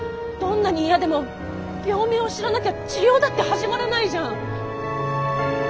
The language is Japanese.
どんなに嫌でも病名を知らなきゃ治療だって始まらないじゃん。